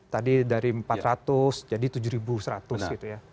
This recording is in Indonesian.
tadi dari empat ratus jadi tujuh ribu seratus gitu ya